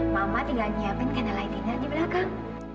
mama tinggal nyiapin candle lighting nya di belakang